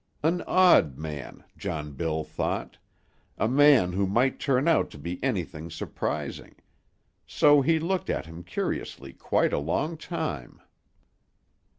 An odd man, John Bill thought; a man who might turn out to be anything surprising; so he looked at him curiously quite a long time.